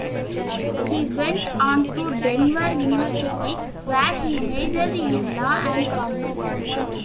He went on to Denver university, where he majored in law and commerce.